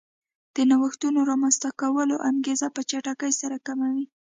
د نوښتونو رامنځته کولو انګېزه په چټکۍ سره کموي